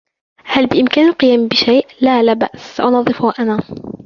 هل بإمكاني القيام بشيء؟ "لا، لا بأس. سأنظّفه أنا."